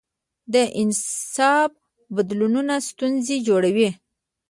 د نصاب بدلونونه ستونزې جوړوي.